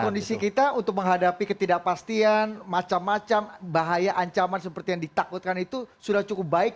dan kondisi kita untuk menghadapi ketidakpastian macam macam bahaya ancaman seperti yang ditakutkan itu sudah cukup baik